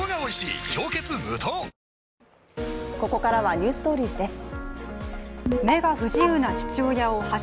あここからは「ｎｅｗｓｔｏｒｉｅｓ」です。